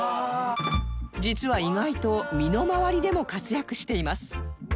実は意外と身の回りでも活躍しています